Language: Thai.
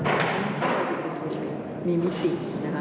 ไม่มีข้อมูลกิจเหตุใช้